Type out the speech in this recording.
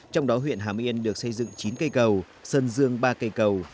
trong đó huyện hà miên được xây dựng chín cây cầu sơn dương ba cây cầu